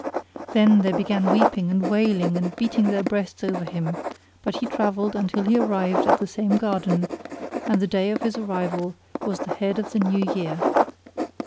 [FN#41] They then began weeping and wailing and beating their breasts over him; but he travelled until he arrived at the same garden, and the day of his arrival was the head of the New Year.